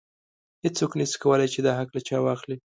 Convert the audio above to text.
هیڅوک نشي کولی چې دا حق له چا واخلي.